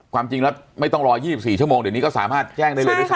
ความจริงแล้วไม่ต้องรอ๒๔ชั่วโมงเดี๋ยวนี้ก็สามารถแจ้งได้เลยด้วยซ